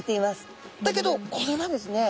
だけどこれはですね